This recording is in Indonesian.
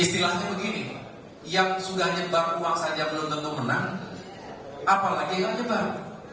istilahnya begini yang sudah nyebar uang saja belum tentu menang apalagi yang nyebar